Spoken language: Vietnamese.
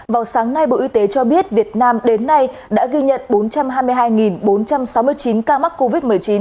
vào sáng nay bộ y tế cho biết việt nam đến nay đã ghi nhận bốn trăm hai mươi hai bốn trăm sáu mươi chín ca mắc covid một mươi chín